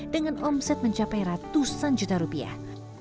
dengan omset mencapai ratusan juta rupiah